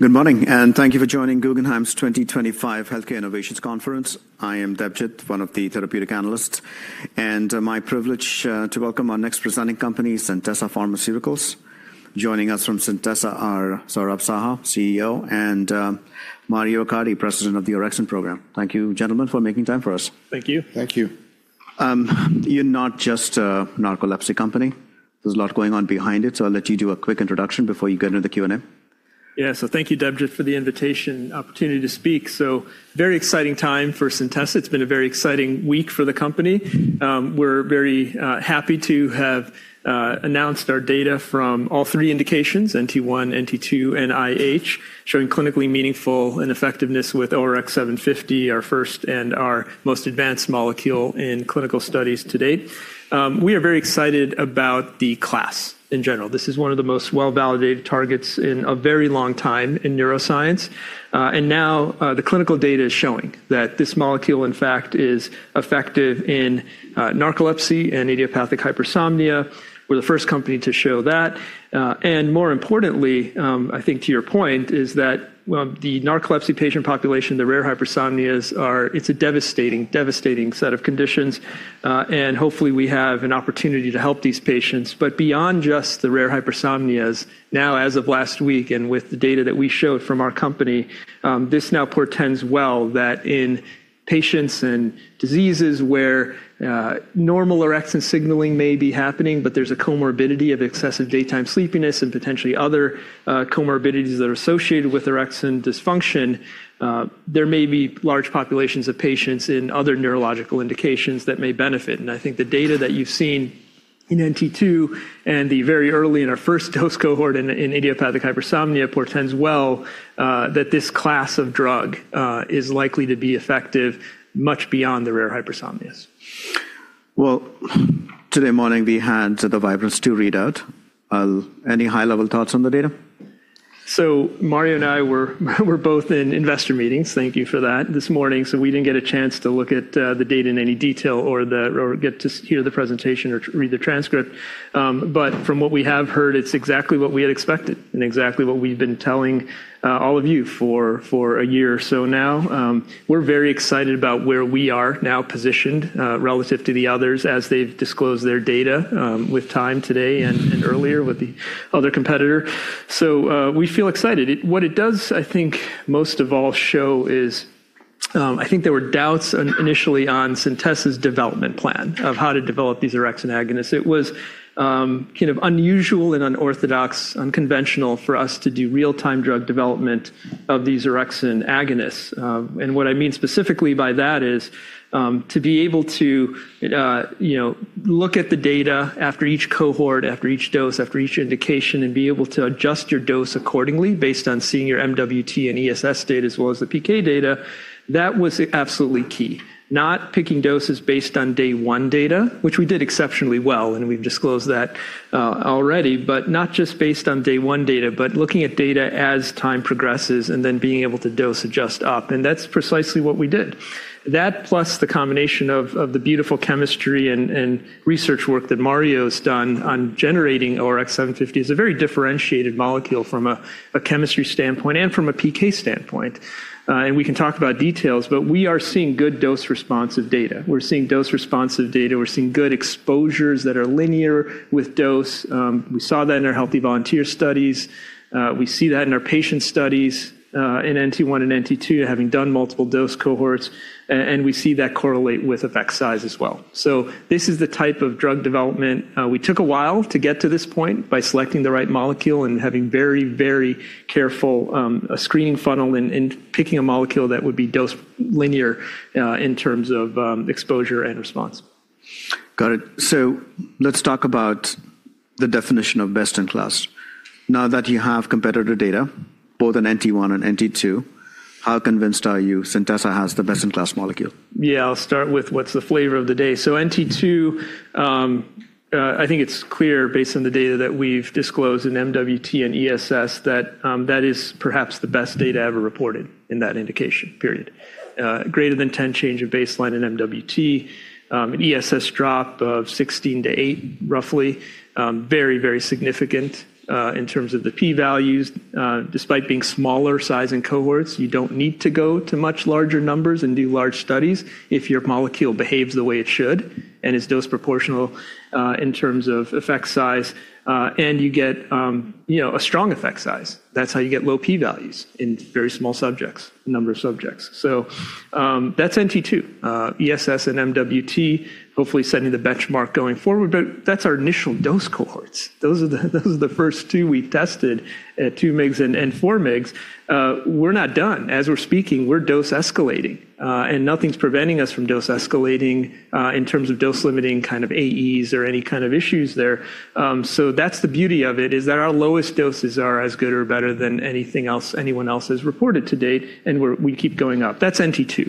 Good morning, and thank you for joining Guggenheim's 2025 healthcare innovations conference. I am Debjit, one of the therapeutic analysts, and my privilege to welcome our next presenting company, Centessa Pharmaceuticals. Joining us from Centessa are Saurabh Saha, CEO, and Mario Accardi, President of the Orexin Program. Thank you, gentlemen, for making time for us. Thank you. Thank you. You're not just a narcolepsy company. There's a lot going on behind it, so I'll let you do a quick introduction before you get into the Q&A. Yeah, so thank you, Debjit, for the invitation and opportunity to speak. Very exciting time for Centessa. It's been a very exciting week for the company. We're very happy to have announced our data from all three indications: NT1, NT2, and IH, showing clinically meaningful and effectiveness with ORX750, our first and our most advanced molecule in clinical studies to date. We are very excited about the class in general. This is one of the most well-validated targets in a very long time in neuroscience. Now the clinical data is showing that this molecule, in fact, is effective in narcolepsy and idiopathic hypersomnia. We're the first company to show that. More importantly, I think to your point, is that the narcolepsy patient population, the rare hypersomnias, are—it's a devastating, devastating set of conditions. Hopefully, we have an opportunity to help these patients. Beyond just the rare hypersomnias, now, as of last week and with the data that we showed from our company, this now portends well that in patients and diseases where normal orexin signaling may be happening, but there's a comorbidity of excessive daytime sleepiness and potentially other comorbidities that are associated with orexin dysfunction, there may be large populations of patients in other neurological indications that may benefit. I think the data that you've seen in NT2 and the very early in our first dose cohort in idiopathic hypersomnia portends well that this class of drug is likely to be effective much beyond the rare hypersomnias. Today morning, we had the Vibrance readout. Any high-level thoughts on the data? Mario and I were both in investor meetings—thank you for that—this morning, so we did not get a chance to look at the data in any detail or get to hear the presentation or read the transcript. From what we have heard, it is exactly what we had expected and exactly what we have been telling all of you for a year or so now. We are very excited about where we are now positioned relative to the others as they have disclosed their data with time today and earlier with the other competitor. We feel excited. What it does, I think most of all, show is I think there were doubts initially on Centessa's development plan of how to develop these orexin agonists. It was kind of unusual and unorthodox, unconventional for us to do real-time drug development of these orexin agonists. What I mean specifically by that is to be able to look at the data after each cohort, after each dose, after each indication, and be able to adjust your dose accordingly based on MWT and ESS data as well as the PK data. That was absolutely key. Not picking doses based on day one data, which we did exceptionally well, and we've disclosed that already, but not just based on day one data, but looking at data as time progresses and then being able to dose adjust up. That's precisely what we did. That, plus the combination of the beautiful chemistry and research work that Mario has done on generating ORX750, is a very differentiated molecule from a chemistry standpoint and from a PK standpoint. We can talk about details, but we are seeing good dose-responsive data. We're seeing dose-responsive data. We're seeing good exposures that are linear with dose. We saw that in our healthy volunteer studies. We see that in our patient studies in NT1 and NT2, having done multiple dose cohorts. We see that correlate with effect size as well. This is the type of drug development we took a while to get to this point by selecting the right molecule and having very, very careful screening funnel and picking a molecule that would be dose linear in terms of exposure and response. Got it. Let's talk about the definition of best in class. Now that you have competitor data, both in NT1 and NT2, how convinced are you Centessa has the best in class molecule? Yeah, I'll start with what's the flavor of the day. NT2, I think it's clear based on the data that we've disclosed in MWT and ESS that that is perhaps the best data ever reported in that indication period. Greater than 10 change of baseline in MWT. ESS drop of 16 to 8, roughly. Very, very significant in terms of the P values. Despite being smaller size in cohorts, you don't need to go to much larger numbers and do large studies if your molecule behaves the way it should and is dose proportional in terms of effect size. You get a strong effect size. That's how you get low P values in very small subjects, number of subjects. That's NT2. ESS and MWT, hopefully setting the benchmark going forward, but that's our initial dose cohorts. Those are the first two we tested at 2 mg and 4 mg. We're not done. As we're speaking, we're dose escalating. Nothing's preventing us from dose escalating in terms of dose-limiting kind of AEs or any kind of issues there. The beauty of it is that our lowest doses are as good or better than anything else anyone else has reported to date, and we keep going up. That's NT2.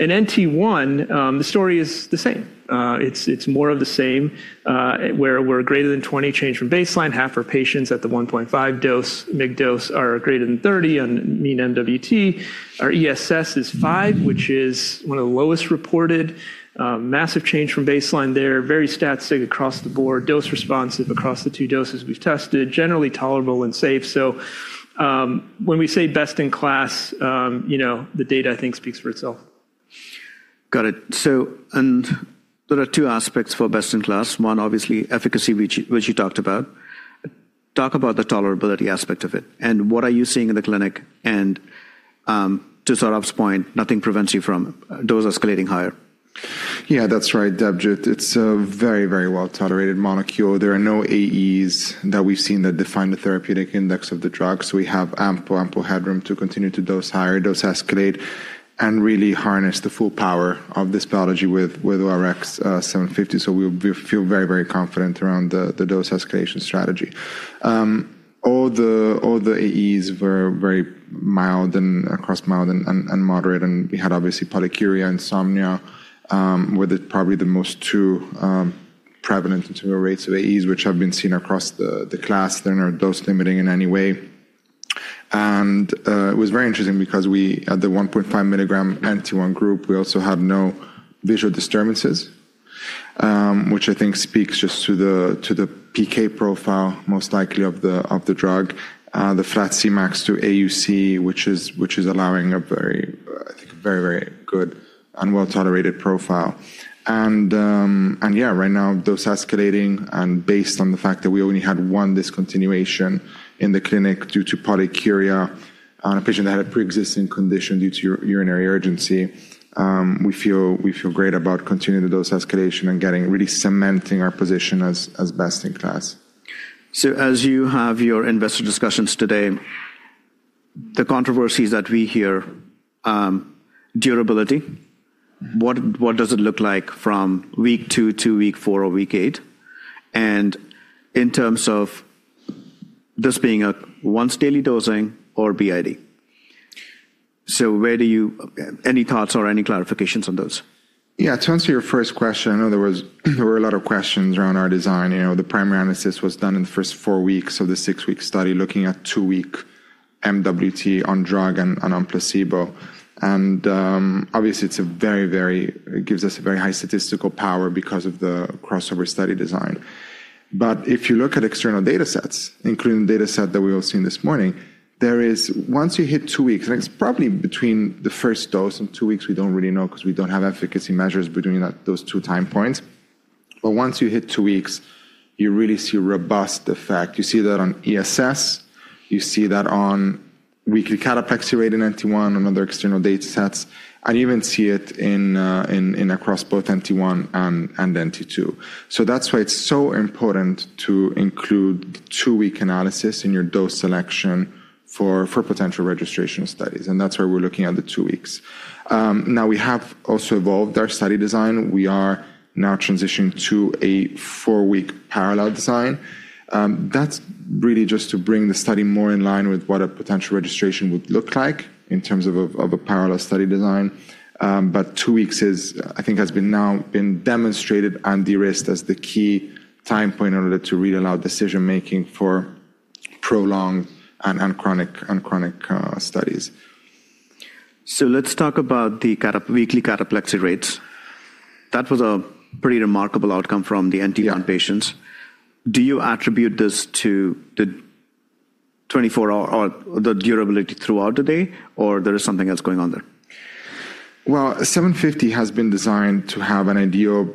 In NT1, the story is the same. It's more of the same, where we're greater than 20 change from baseline. Half our patients at the 1.5 mg dose are greater than 30 on mean MWT. Our ESS is 5, which is one of the lowest reported. Massive change from baseline there. Very static across the board. Dose responsive across the two doses we've tested. Generally tolerable and safe. When we say best in class, the data, I think, speaks for itself. Got it. There are two aspects for best in class. One, obviously, efficacy, which you talked about. Talk about the tolerability aspect of it. What are you seeing in the clinic? To Saurabh's point, nothing prevents you from dose escalating higher. Yeah, that's right, Debjit. It's a very, very well-tolerated molecule. There are no AEs that we've seen that define the therapeutic index of the drug. We have ample headroom to continue to dose higher, dose escalate, and really harness the full power of this biology with ORX750. We feel very, very confident around the dose escalation strategy. All the AEs were very mild and across mild and moderate. We had, obviously, polyuria, insomnia, with probably the most true prevalence and true rates of AEs, which have been seen across the class. They're not dose limiting in any way. It was very interesting because at the 1.5 mg NT1 group, we also had no visual disturbances, which I think speaks just to the PK profile, most likely, of the drug. The flat Cmax to AUC, which is allowing a very, I think, very, very good and well-tolerated profile. Yeah, right now, dose escalating. Based on the fact that we only had one discontinuation in the clinic due to polyuria, a patient that had a pre-existing condition due to urinary urgency, we feel great about continuing the dose escalation and really cementing our position as best in class. As you have your investor discussions today, the controversies that we hear, durability, what does it look like from week two to week four or week eight? In terms of this being a once-daily dosing or BID? Any thoughts or any clarifications on those? Yeah, to answer your first question, there were a lot of questions around our design. The primary analysis was done in the first four weeks of the six-week study, looking at two-week MWT on drug and on placebo. It gives us a very high statistical power because of the crossover study design. If you look at external data sets, including the data set that we all seen this morning, once you hit two weeks, and it's probably between the first dose and two weeks, we do not really know because we do not have efficacy measures between those two time points. Once you hit two weeks, you really see robust effect. You see that on ESS. You see that on weekly cataplexy rate in NT1 and other external data sets. You even see it across both NT1 and NT2. That's why it's so important to include two-week analysis in your dose selection for potential registration studies. That's why we're looking at the two weeks. Now, we have also evolved our study design. We are now transitioning to a four-week parallel design. That's really just to bring the study more in line with what a potential registration would look like in terms of a parallel study design. Two weeks, I think, has now been demonstrated and de-risked as the key time point in order to really allow decision-making for prolonged and chronic studies. Let's talk about the weekly cataplexy rates. That was a pretty remarkable outcome from the NT1 patients. Do you attribute this to the durability throughout the day, or is there something else going on there? ORX750 has been designed to have an ideal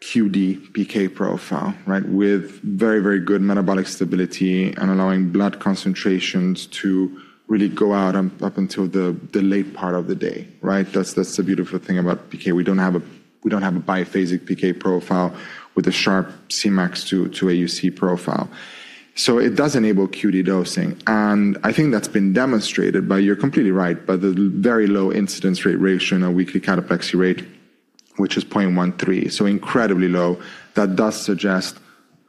QD PK profile with very, very good metabolic stability and allowing blood concentrations to really go out up until the late part of the day. That is the beautiful thing about PK. We do not have a biphasic PK profile with a sharp Cmax to AUC profile. It does enable QD dosing. I think that has been demonstrated by, you are completely right, by the very low incidence rate ratio in our weekly cataplexy rate, which is 0.13. Incredibly low. That does suggest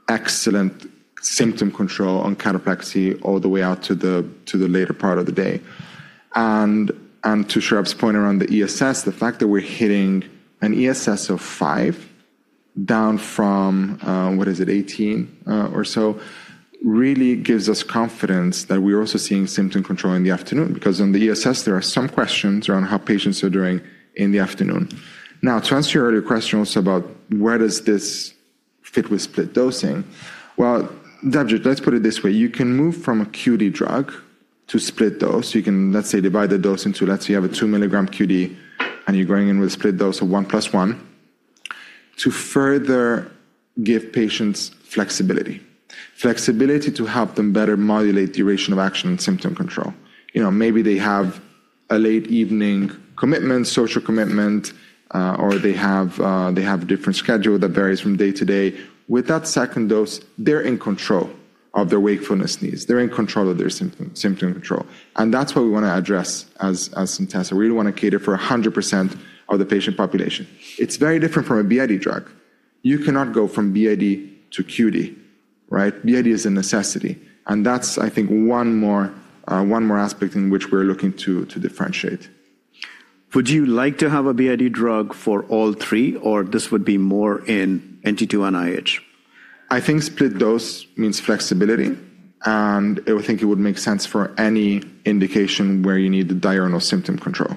excellent symptom control on cataplexy all the way out to the later part of the day. To Saurabh's point around the ESS, the fact that we are hitting an ESS of 5 down from, what is it, 18 or so, really gives us confidence that we are also seeing symptom control in the afternoon. Because on the ESS, there are some questions around how patients are doing in the afternoon. Now, to answer your earlier question also about where does this fit with split dosing, Debjit, let's put it this way. You can move from a QD drug to split dose. You can, let's say, divide the dose into, let's say you have a 2 mg QD, and you're going in with split dose of 1 + 1 to further give patients flexibility. Flexibility to help them better modulate duration of action and symptom control. Maybe they have a late evening commitment, social commitment, or they have a different schedule that varies from day to day. With that second dose, they're in control of their wakefulness needs. They're in control of their symptom control. That is what we want to address as Centessa. We really want to cater for 100% of the patient population. It's very different from a BID drug. You cannot go from BID to QD. BID is a necessity. That's, I think, one more aspect in which we're looking to differentiate. Would you like to have a BID drug for all three, or this would be more in NT2 and IH? I think split dose means flexibility. I think it would make sense for any indication where you need the diurnal symptom control.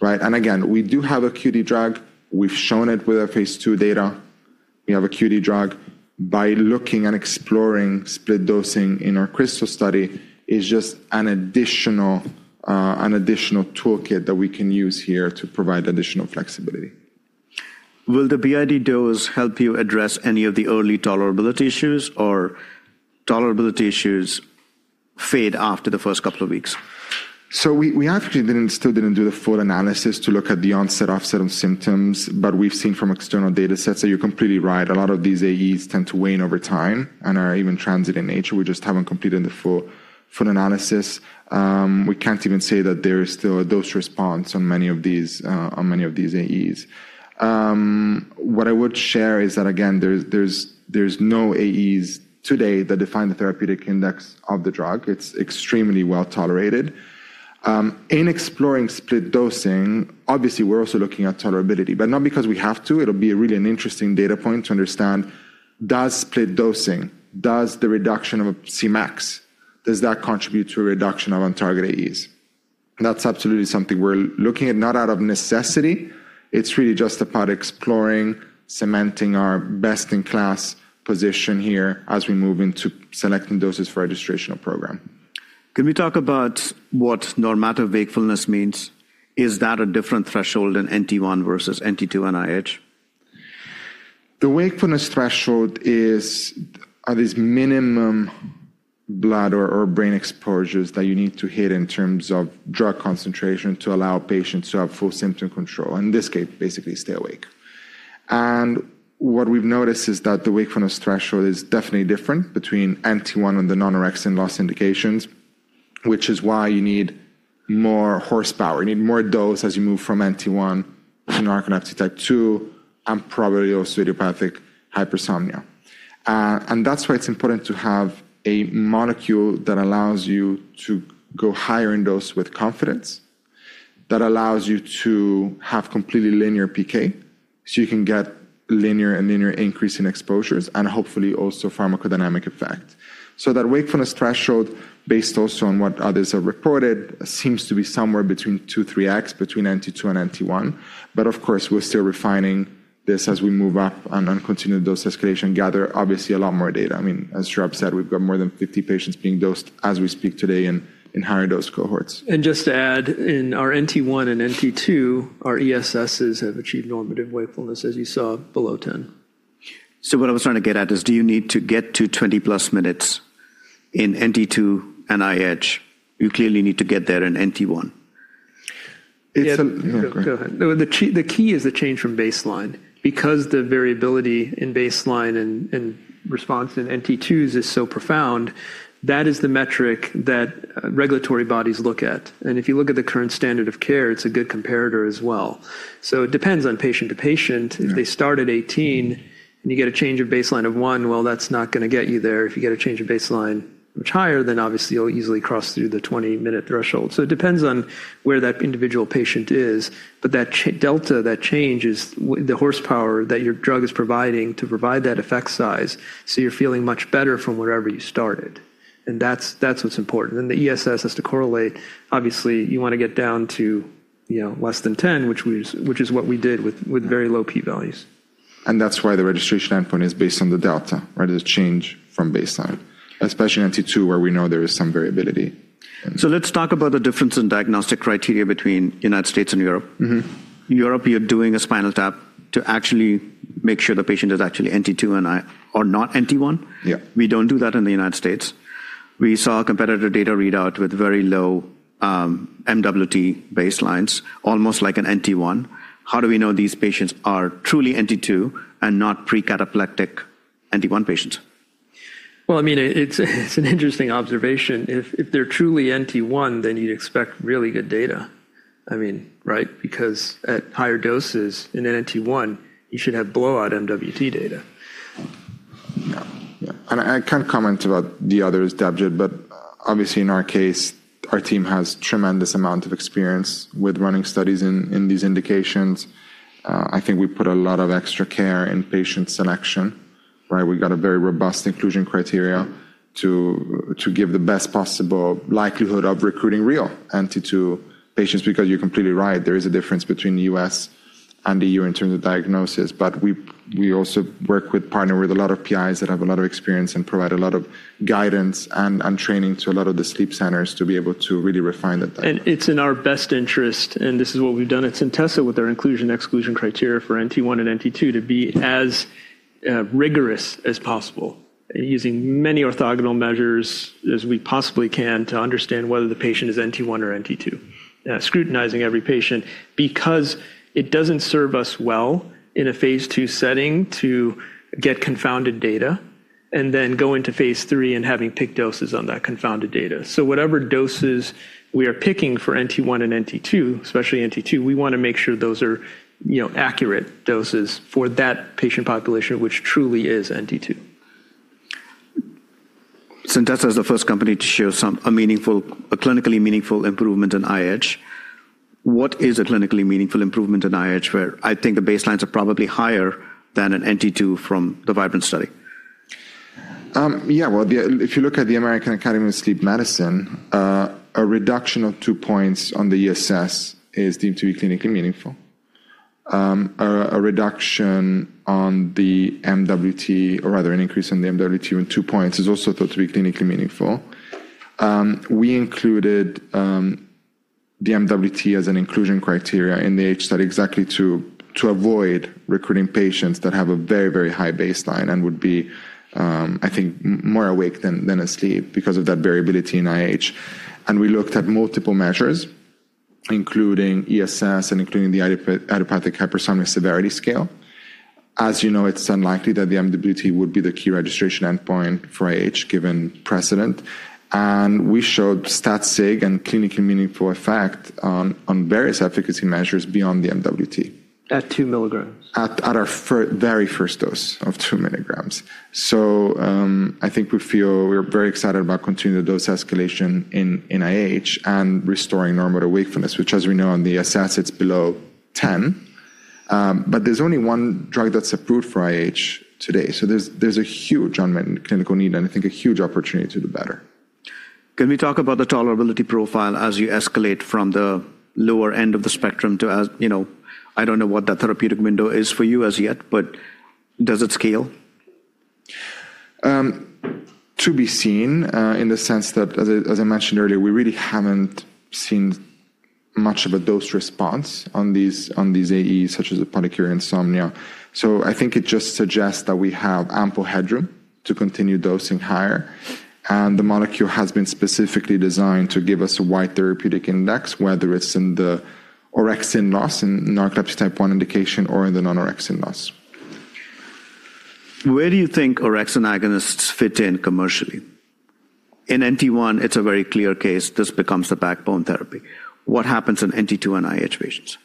We do have a QD drug. We've shown it with our phase II data. We have a QD drug. By looking and exploring split dosing in our CRYSTAL study, it's just an additional toolkit that we can use here to provide additional flexibility. Will the BID dose help you address any of the early tolerability issues, or tolerability issues fade after the first couple of weeks? We actually still did not do the full analysis to look at the onset, offset, and symptoms. We have seen from external data sets that you are completely right. A lot of these AEs tend to wane over time and are even transient in nature. We just have not completed the full analysis. We cannot even say that there is still a dose response on many of these AEs. What I would share is that, again, there are no AEs today that define the therapeutic index of the drug. It is extremely well tolerated. In exploring split dosing, obviously, we are also looking at tolerability. Not because we have to. It will be really an interesting data point to understand, does split dosing, does the reduction of Cmax, does that contribute to a reduction of untargeted AEs? That is absolutely something we are looking at, not out of necessity. It's really just about exploring, cementing our best-in-class position here as we move into selecting doses for registration of program. Can we talk about what normative wakefulness means? Is that a different threshold in NT1 versus NT2 and IH? The wakefulness threshold is these minimum blood or brain exposures that you need to hit in terms of drug concentration to allow patients to have full symptom control. In this case, basically, stay awake. What we've noticed is that the wakefulness threshold is definitely different between NT1 and the non-orexin loss indications, which is why you need more horsepower. You need more dose as you move from NT1 to narcolepsy type 2 and probably also idiopathic hypersomnia. That is why it's important to have a molecule that allows you to go higher in dose with confidence, that allows you to have completely linear PK, so you can get linear and linear increase in exposures, and hopefully also pharmacodynamic effect. That wakefulness threshold, based also on what others have reported, seems to be somewhere between 2x-3x between NT2 and NT1. Of course, we're still refining this as we move up and continue the dose escalation and gather, obviously, a lot more data. I mean, as Saurabh said, we've got more than 50 patients being dosed as we speak today in higher dose cohorts. Just to add, in our NT1 and NT2, our ESSs have achieved normative wakefulness, as you saw, below 10. What I was trying to get at is, do you need to get to 20+ minutes in NT2 and IH? You clearly need to get there in NT1. Go ahead. The key is the change from baseline. Because the variability in baseline and response in NT2s is so profound, that is the metric that regulatory bodies look at. If you look at the current standard of care, it's a good comparator as well. It depends on patient to patient. If they start at 18 and you get a change of baseline of 1, that's not going to get you there. If you get a change of baseline much higher, then obviously, you'll easily cross through the 20-minute threshold. It depends on where that individual patient is. That delta, that change is the horsepower that your drug is providing to provide that effect size. You're feeling much better from wherever you started. That's what's important. The ESS has to correlate. Obviously, you want to get down to less than 10, which is what we did with very low P values. That's why the registration endpoint is based on the delta, the change from baseline, especially in NT2, where we know there is some variability. Let's talk about the difference in diagnostic criteria between the U.S. and Europe. In Europe, you're doing a spinal tap to actually make sure the patient is actually NT2 or not NT1. We do not do that in the U.S. We saw a competitor data readout with very low MWT baselines, almost like an NT1. How do we know these patients are truly NT2 and not pre-cataplectic NT1 patients? I mean, it's an interesting observation. If they're truly NT1, then you'd expect really good data. I mean, right? Because at higher doses in NT1, you should have blowout MWT data. Yeah. I can't comment about the others, Debjit. Obviously, in our case, our team has a tremendous amount of experience with running studies in these indications. I think we put a lot of extra care in patient selection. We've got a very robust inclusion criteria to give the best possible likelihood of recruiting real NT2 patients. You're completely right, there is a difference between the U.S. and the EU in terms of diagnosis. We also partner with a lot of PIs that have a lot of experience and provide a lot of guidance and training to a lot of the sleep centers to be able to really refine that. It is in our best interest. This is what we have done. It is Centessa with our inclusion and exclusion criteria for NT1 and NT2 to be as rigorous as possible, using as many orthogonal measures as we possibly can to understand whether the patient is NT1 or NT2. Scrutinizing every patient because it does not serve us well in a phase II setting to get confounded data and then go into phase III and have picked doses on that confounded data. Whatever doses we are picking for NT1 and NT2, especially NT2, we want to make sure those are accurate doses for that patient population, which truly is NT2. Centessa is the first company to show a clinically meaningful improvement in IH. What is a clinically meaningful improvement in IH where I think the baselines are probably higher than an NT2 from the Vibrant study? Yeah. If you look at the American Academy of Sleep Medicine, a reduction of two points on the ESS is deemed to be clinically meaningful. A reduction on the MWT, or rather an increase in the MWT with two points, is also thought to be clinically meaningful. We included the MWT as an inclusion criteria in the IH study exactly to avoid recruiting patients that have a very, very high baseline and would be, I think, more awake than asleep because of that variability in IH. We looked at multiple measures, including ESS and including the idiopathic hypersomnia severity scale. As you know, it is unlikely that the MWT would be the key registration endpoint for IH given precedent. We showed stat-sig and clinically meaningful effect on various efficacy measures beyond the MWT. At 2 mg. At our very first dose of 2 mg. I think we feel we're very excited about continuing the dose escalation in IH and restoring normative wakefulness, which, as we know, on the ESS, it's below 10. There's only one drug that's approved for IH today. There's a huge unmet clinical need and, I think, a huge opportunity to do better. Can we talk about the tolerability profile as you escalate from the lower end of the spectrum to, I don't know what the therapeutic window is for you as yet, but does it scale? To be seen in the sense that, as I mentioned earlier, we really haven't seen much of a dose response on these AEs, such as the polyuria, insomnia. I think it just suggests that we have ample headroom to continue dosing higher. The molecule has been specifically designed to give us a wide therapeutic index, whether it's in the orexin loss in narcolepsy type 1 indication or in the non-orexin loss. Where do you think orexin agonists fit in commercially? In NT1, it's a very clear case. This becomes the backbone therapy. What happens in NT2 and IH patients?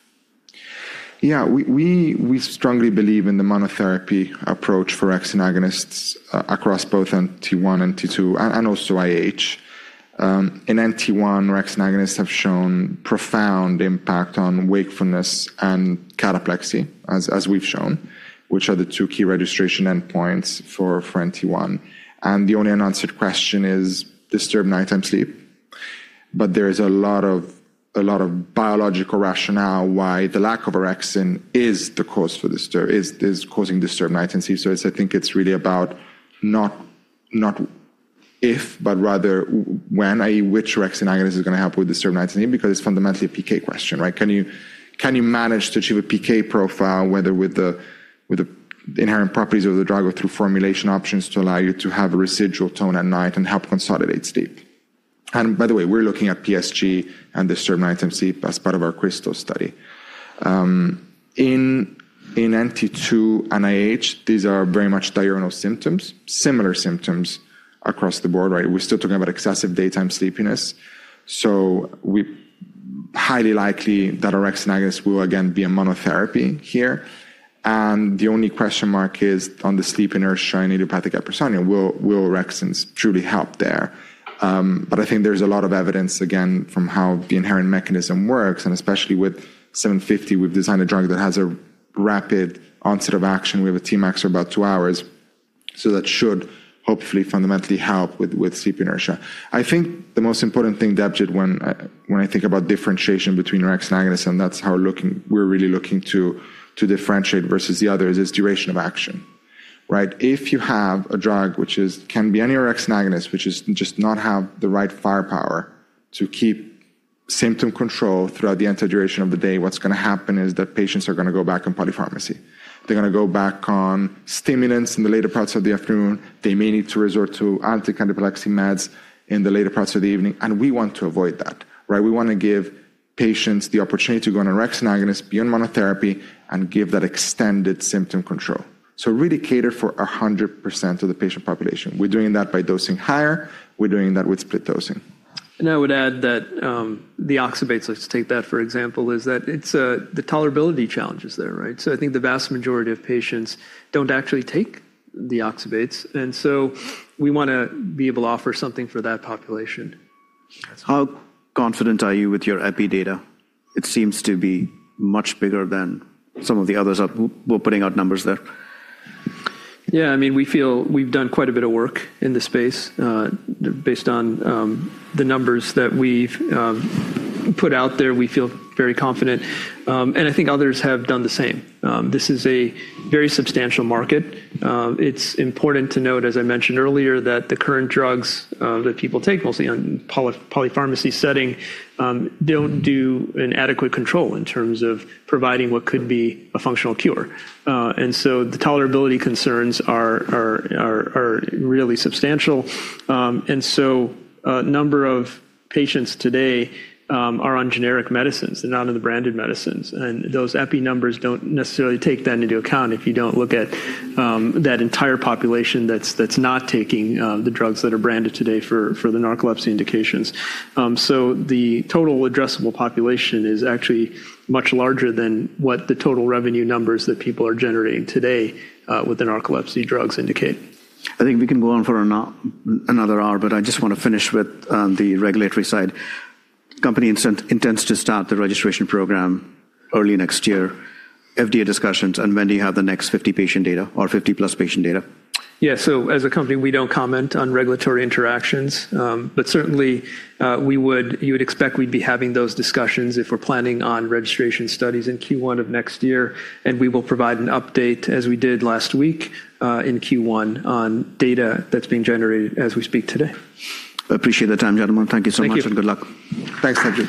Yeah. We strongly believe in the monotherapy approach for orexin agonists across both NT1, NT2, and also IH. In NT1, orexin agonists have shown profound impact on wakefulness and cataplexy, as we've shown, which are the two key registration endpoints for NT1. The only unanswered question is disturbed nighttime sleep. There is a lot of biological rationale why the lack of orexin is the cause for disturbed nighttime sleep. I think it's really about not if, but rather when, i.e., which orexin agonist is going to help with disturbed nighttime sleep because it's fundamentally a PK question. Can you manage to achieve a PK profile, whether with the inherent properties of the drug or through formulation options to allow you to have a residual tone at night and help consolidate sleep? By the way, we're looking at PSG and disturbed nighttime sleep as part of our crystal study. In NT2 and IH, these are very much diurnal symptoms, similar symptoms across the board. We're still talking about excessive daytime sleepiness. We're highly likely that orexin agonists will, again, be a monotherapy here. The only question mark is on the sleep inertia and idiopathic hypersomnia. Will orexins truly help there? I think there's a lot of evidence, again, from how the inherent mechanism works. Especially with 750, we've designed a drug that has a rapid onset of action. We have a Tmax for about two hours. That should hopefully fundamentally help with sleep inertia. I think the most important thing, Debjit, when I think about differentiation between orexin agonists and that's how we're really looking to differentiate versus the others, is duration of action. If you have a drug which can be any orexin agonist, which just does not have the right firepower to keep symptom control throughout the entire duration of the day, what's going to happen is that patients are going to go back on polypharmacy. They're going to go back on stimulants in the later parts of the afternoon. They may need to resort to anticataplexy meds in the later parts of the evening. We want to avoid that. We want to give patients the opportunity to go on orexin agonists beyond monotherapy and give that extended symptom control. To really cater for 100% of the patient population, we're doing that by dosing higher. We're doing that with split dosing. I would add that the oxybates, let's take that for example, is that the tolerability challenge is there. I think the vast majority of patients do not actually take the oxybates. We want to be able to offer something for that population. How confident are you with your EPI data? It seems to be much bigger than some of the others are. We're putting out numbers there. Yeah. I mean, we feel we've done quite a bit of work in this space. Based on the numbers that we've put out there, we feel very confident. I think others have done the same. This is a very substantial market. It's important to note, as I mentioned earlier, that the current drugs that people take, mostly in polypharmacy setting, do not do an adequate control in terms of providing what could be a functional cure. The tolerability concerns are really substantial. A number of patients today are on generic medicines. They're not on the branded medicines. Those EPI numbers do not necessarily take that into account if you do not look at that entire population that's not taking the drugs that are branded today for the narcolepsy indications. The total addressable population is actually much larger than what the total revenue numbers that people are generating today with the narcolepsy drugs indicate. I think we can go on for another hour. I just want to finish with the regulatory side. The company intends to start the registration program early next year. FDA discussions and when do you have the next 50 patient data or 50+ patient data? Yeah. As a company, we don't comment on regulatory interactions. Certainly, you would expect we'd be having those discussions if we're planning on registration studies in Q1 of next year. We will provide an update, as we did last week, in Q1 on data that's being generated as we speak today. Appreciate the time, gentlemen. Thank you so much and good luck. Thanks.